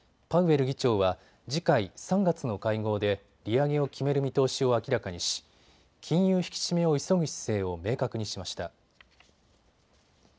パウエル議長は次回３月の会合で利上げを決める見通しを明らかにし、金融引き締めを急ぐ姿勢を明確にしました。